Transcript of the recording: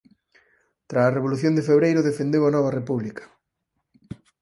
Tras a revolución de febreiro defendeu a nova república.